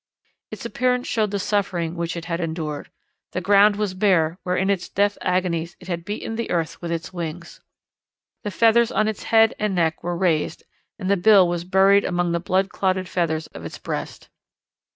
Its appearance showed the suffering which it had endured. The ground was bare where in its death agonies it had beaten the earth with its wings. The feathers on the head and neck were raised and the bill was buried among the blood clotted feathers of its breast.